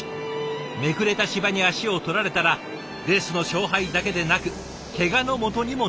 めくれた芝に足を取られたらレースの勝敗だけでなくけがのもとにもなりかねません。